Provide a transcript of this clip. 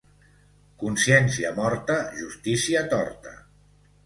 Consciència morta, justícia torta.